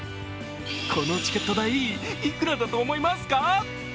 このチケット代、いくらだと思いますか？